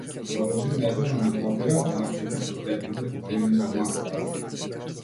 Продолжи нежно да ме допира, мавтајќи со трепките покриени со маскара.